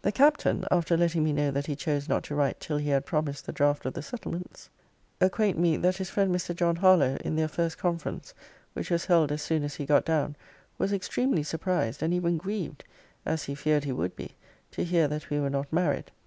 'The Captain, after letting me know that he chose not to write till he had promised the draught of the settlements, acquaint me, that his friend Mr. John Harlowe, in their first conference (which was held as soon as he got down) was extremely surprised, and even grieved (as he feared he would be) to hear that we were not married.